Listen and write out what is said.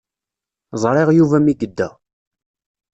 Ẓriɣ Yuba mi yedda.